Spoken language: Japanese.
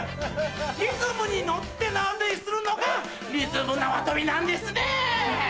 リズムにノッて縄跳びするのがリズム縄跳びなんですね！